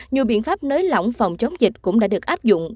nhiều biện pháp nới lỏng phòng chống dịch cũng đã được áp dụng